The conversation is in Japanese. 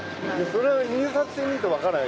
それは入札してみないと分からない。